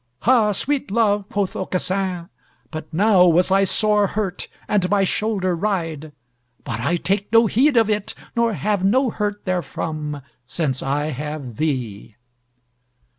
"Ha! sweet love," quoth Aucassin, "but now was I sore hurt, and my shoulder wried, but I take no heed of it, nor have no hurt therefrom, since I have thee."